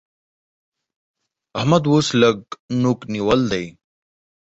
احمد اوس لږ نوک نيول دی